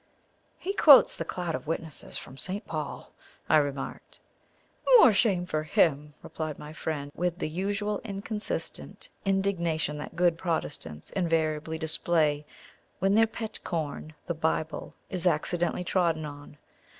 "He quotes the CLOUD OF WITNESSES from St. Paul," I remarked. "More shame for him!" replied my friend, with the usual inconsistent indignation that good Protestants invariably display when their pet corn, the Bible, is accidentally trodden on.